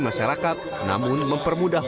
masyarakat namun mempermudah